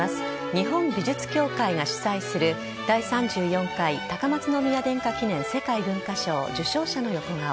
日本美術協会が主催する第３４回高松宮殿下記念世界文化賞受賞者の横顔。